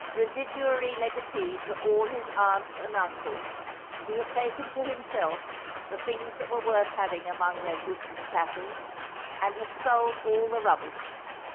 Residuary legatee to all his aunts and uncles, he had taken to himself the things that were worth having among their goods and chattels, and had sold all the rubbish.